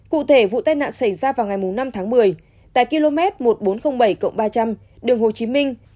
cụ thể vụ tai nạn xảy ra vào ngày năm tháng một mươi tại km một nghìn bốn trăm linh bảy ba trăm linh đường hồ chí minh